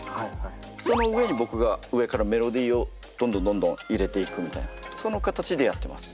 その上に僕が上からメロディーをどんどんどんどん入れていくみたいなその形でやってます。